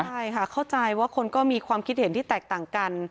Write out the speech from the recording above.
ใช่ค่ะเข้าใจว่าคนก็มีความคิดเห็นที่แตกต่างกัน